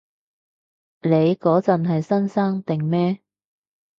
你嗰陣係新生定咩？